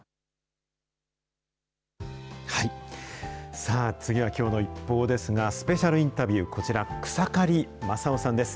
さあ、次はきょうのＩＰＰＯＵですが、スペシャルインタビュー、こちら、草刈正雄さんです。